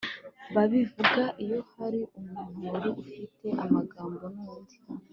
babivuga iyo hari umuntu wari ufitanye amagambo n'undi